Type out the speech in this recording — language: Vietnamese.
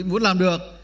muốn làm được